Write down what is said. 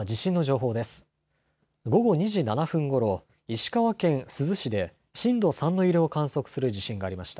午後２時７分ごろ石川県珠洲市で震度３の揺れを観測する地震がありました。